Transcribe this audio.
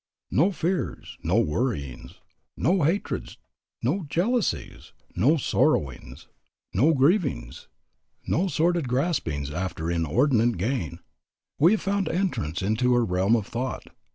No fears, no worryings, no hatreds, no jealousies, no sorrowings, no grievings, no sordid graspings after inordinant [Transcriber's note: inordinate?] gain, have found entrance into her realm of thought.